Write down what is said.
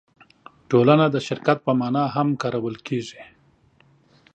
ټولنه د شرکت په مانا هم کارول کېږي.